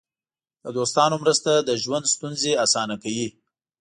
د دوستانو مرسته د ژوند ستونزې اسانه کوي.